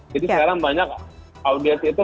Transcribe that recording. jadi sekarang banyak audiens itu